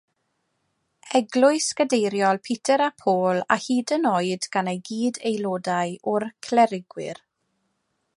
Eglwys Gadeiriol Peter a Paul, a hyd yn oed gan ei gyd-aelodau o'r clerigwyr.